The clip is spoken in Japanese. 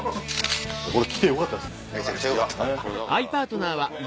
来てよかったですね。